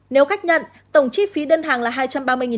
nếu khách nhận tổng chi phí đơn hàng là hai trăm ba mươi đồng